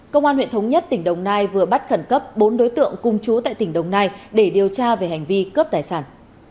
công an huyện thống nhất tỉnh đồng nai vừa bắt khẩn cấp bốn đối tượng cùng chú tại tỉnh đồng nai để điều tra về hành vi cướp tài sản